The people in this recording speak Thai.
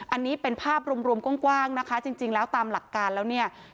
อันนี้เป็นภาพรวมกว้างนะคะจริงแล้วตามหลักการแล้วเนี่ย